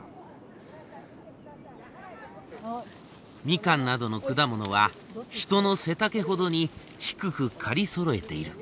ミカンなどの果物は人の背丈ほどに低く刈りそろえている。